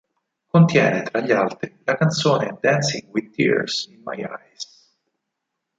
Contiene tra gli altri la canzone "Dancing with Tears in My Eyes".